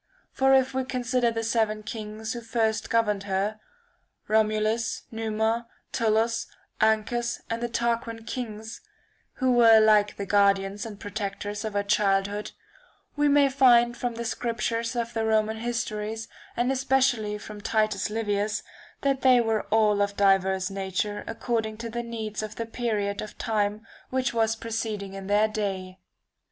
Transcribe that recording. For if we consider the seven kings who first [903 governed her, Romulus, Numa, TuUus, Ancus and the Tarquin kings, who were like the guardians and protectors of her childhood, we may find from the scriptures of the Roman histories, and especially from Titus Livius, that they were all of diverse nature according to the needs of the period of time which was proceeding in their day.